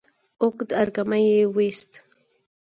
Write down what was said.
اوږد ارږمی يې وايست،